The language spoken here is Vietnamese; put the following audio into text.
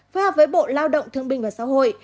phối hợp với bộ lao động thương binh và xã hội